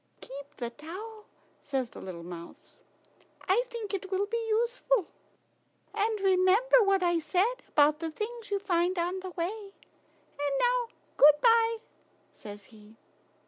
"Keep the towel," says the little mouse; "I think it will be useful. And remember what I said about the things you find on the way. And now good bye," says he.